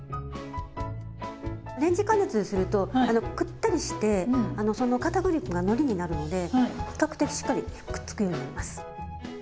レンジ加熱するとくったりしてかたくり粉がのりになるので比較的しっかりくっつくようになります。